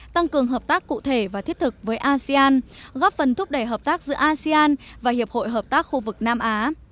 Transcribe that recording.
tăng cường hợp tác cụ thể và thiết thực với asean góp phần thúc đẩy hợp tác giữa asean và hiệp hội hợp tác khu vực nam á